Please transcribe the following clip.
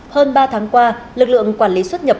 hơn ba tháng qua lực lượng quản lý xuất nhập